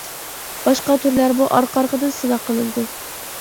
باشقا تۈرلەرمۇ ئارقا ئارقىدىن سىناق قىلىنىدۇ.